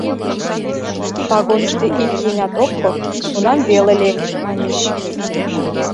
«Вагонышто ик еҥат ок код — тунам веле лек, — маньыч.